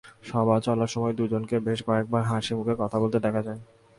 সভা চলার সময় দুজনকে বেশ কয়েকবার হাসিমুখে কথা বলতে দেখা যায়।